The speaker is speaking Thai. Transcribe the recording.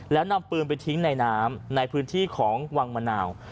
แล้วนำปืนไปทิ้งในน้ำในพื้นที่ของวังมะนาว